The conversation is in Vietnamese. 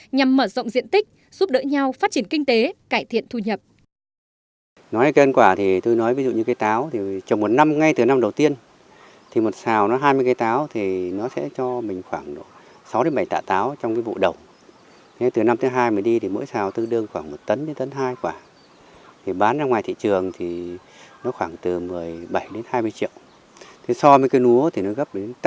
nhằm mở rộng diện tích giúp đỡ nhau phát triển kinh tế cải thiện thu nhập